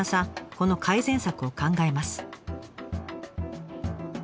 この改善策を考えます。